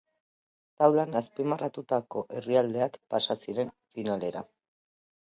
Taulan azpimarratutako herrialdeak pasa ziren finalera.